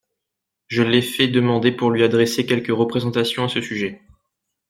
Je l’ai fait demander pour lui adresser quelques représentations à ce sujet.